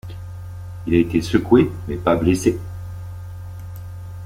Il a été secoué mais pas blessé.